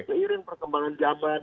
seiring perkembangan zaman